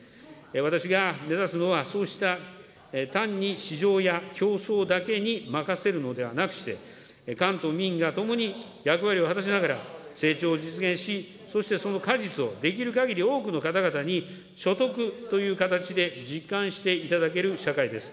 私が目指すのは、そうした単に市場や競争だけに任せるのではなくして、官と民が共に役割を果たしながら、成長を実現し、そしてその果実をできるかぎり多くの方々に所得という形で、実感していただける社会です。